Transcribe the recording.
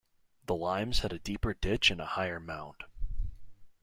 The Limes had a deeper ditch and a higher mound.